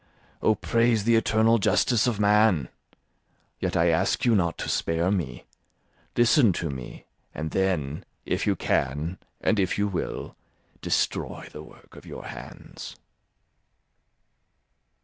Oh, praise the eternal justice of man! Yet I ask you not to spare me; listen to me, and then, if you can, and if you will, destroy the work of your hands."